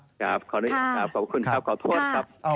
ขอบคุณครับขอโทษครับ